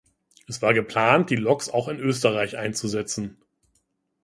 Es war geplant, die Loks auch in Österreich einzusetzen.